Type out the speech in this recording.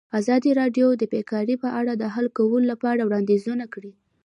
ازادي راډیو د بیکاري په اړه د حل کولو لپاره وړاندیزونه کړي.